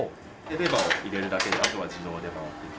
レバーを入れるだけであとは自動で回っていきます。